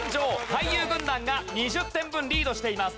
俳優軍団が２０点分リードしています。